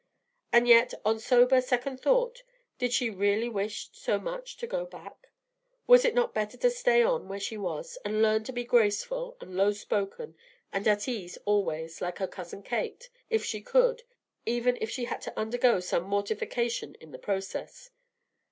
And yet, on sober second thought, did she really wish so much to go back? Was it not better to stay on where she was, and learn to be graceful and low spoken and at ease always, like her cousin Kate, if she could, even if she had to undergo some mortification in the process?